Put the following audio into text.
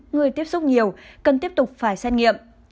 người tiếp xúc nhiều cần tiếp tục phải xét nghiệm